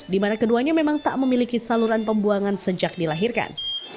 di mana keduanya memang tak memiliki saluran pembuangan sejak dilahirkan